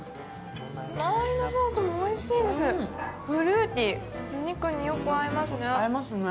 周りのソースもおいしいです、フルーティー、お肉によく合いますね。